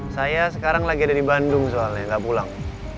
saya sekarang lagi ada di bandung soalnya nggak pulang